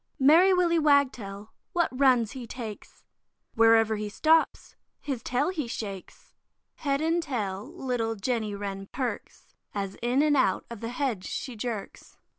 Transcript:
Merry Willy Wagtail, what runs he takes! Wherever he stops, his tail he shakes. Head and tail little Jenny Wren perks, As in and out of the hedge she jerks.